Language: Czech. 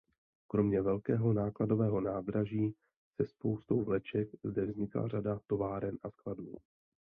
Kromě velkého nákladového nádraží se spoustou vleček zde vznikla řada továren a skladů.